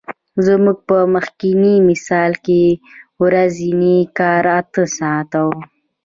زموږ په مخکیني مثال کې ورځنی کار اته ساعته وو